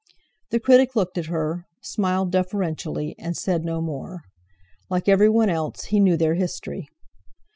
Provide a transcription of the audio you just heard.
The critic looked at her, smiled' deferentially, and said no more. Like everyone else, he knew their history.